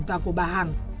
và của bà hằng